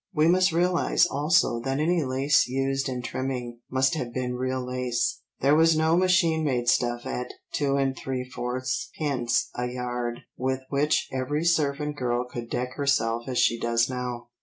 We must realise also that any lace used in trimming must have been real lace, there was no machine made stuff at 2¾d. a yard with which every servant girl could deck herself as she does now.